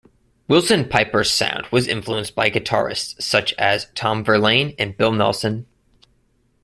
Willson-Piper's sound was influenced by guitarists such as Tom Verlaine and Bill Nelson.